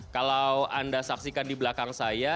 kalau anda saksikan di belakang saya